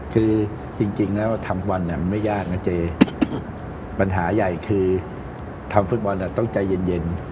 คือจริงแล้วทำควันไม่ยากนะเจปัญหาใหญ่คือทำฟุตบอลต้องใจเย็น